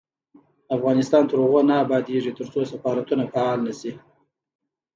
افغانستان تر هغو نه ابادیږي، ترڅو سفارتونه فعال نشي.